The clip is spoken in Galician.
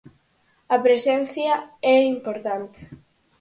A presencia é importante.